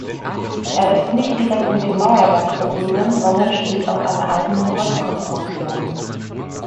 Er ist nicht direkt mit dem Mauerwerk verbunden, sondern steht auf einer eigenen Holzkonstruktion.